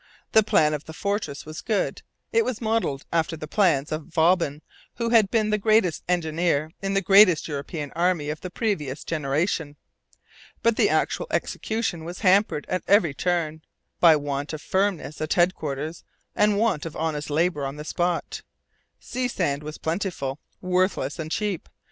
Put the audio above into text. The plan of the fortress was good. It was modelled after the plans of Vauban, who had been the greatest engineer in the greatest European army of the previous generation. But the actual execution was hampered, at every turn, by want of firmness at headquarters and want of honest labour on the spot. Sea sand was plentiful, worthless, and cheap.